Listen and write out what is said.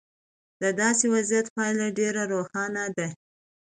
د داسې وضعیت پایله ډېره روښانه ده.